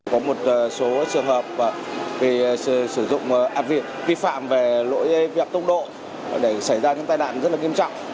có một số trường hợp bị sử dụng áp viện vi phạm về lỗi việc tốc độ để xảy ra những tai nạn rất là nghiêm trọng